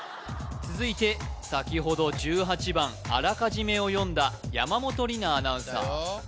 続いて先ほど１８番「逆め」を読んだ山本里菜アナウンサーきたよ